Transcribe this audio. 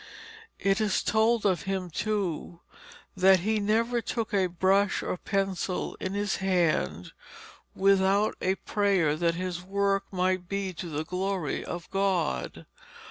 It is told of him, too, that he never took a brush or pencil in his hand without a prayer that his work might be to the glory of God.